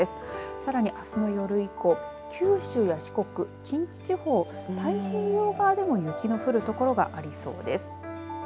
さらに、あすの夜以降九州や四国近畿地方、太平洋側でも雪の降る所がありそうです。